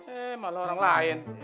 eh malah orang lain